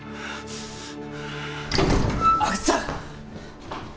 阿久津さん